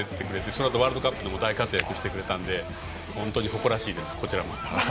そのあとワールドカップでも大活躍してくれたので本当に誇らしいですこちらも。